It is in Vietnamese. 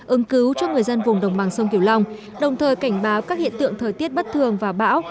ứng cứu cho người dân vùng đồng bằng sông kiều long đồng thời cảnh báo các hiện tượng thời tiết bất thường và bão